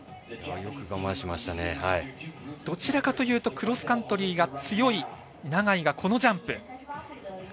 どちらかというとクロスカントリーが強い永井がこのジャンプ。